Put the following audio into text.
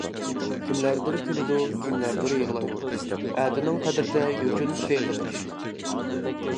كىملەردۇر كۈلىدۇ، كىملەر يىغلايدۇ، ئەتىنىڭ قەدرىدە يوچۇن سېغىنىش.